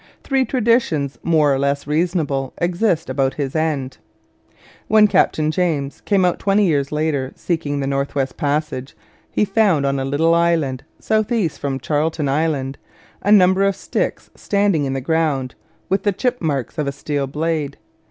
Three traditions, more or less reasonable, exist about his end. When Captain James came out twenty years later seeking the North West Passage he found on a little island (Danby), south east from Charlton Island, a number of sticks standing in the ground, with the chip marks of a steel blade.